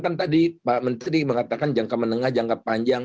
kan tadi pak menteri mengatakan jangka menengah jangka panjang